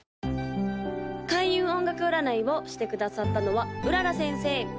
・開運音楽占いをしてくださったのは麗先生